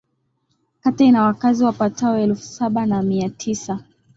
Kata ina wakazi wapatao elfu saba na mia tisa